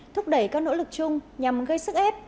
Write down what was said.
thúc đẩy các nỗ lực chung nhằm gây sức ép